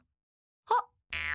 あっ！